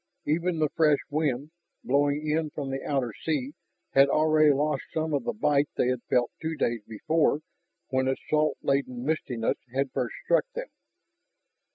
Even the fresh wind, blowing in from the outer sea, had already lost some of the bite they had felt two days before when its salt laden mistiness had first struck them.